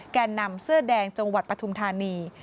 แก่นำเสื้อแดงจังหวัดปฐุมธานี